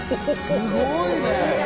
すごいね！